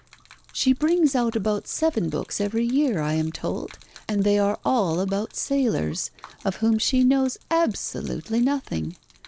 She brings out about seven books every year, I am told, and they are all about sailors, of whom she knows absolutely nothing.